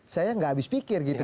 saya gak habis pikir gitu